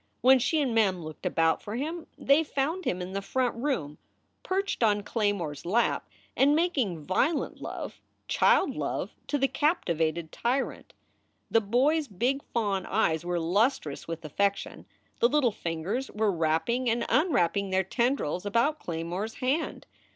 When she and Mem looked about for him they found him in the front room, perched on Claymore s lap and making violent love, child love, to the captivated tyrant. The boy s big fawn eyes were lustrous with affection, the little fingers were wrap ping and unwrapping their tendrils about Claymore s hand.